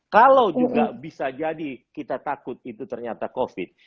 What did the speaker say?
kalau juga bisa jadi kita takut itu ternyata covid